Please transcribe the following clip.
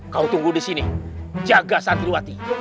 kau tunggu di sini jaga santriwati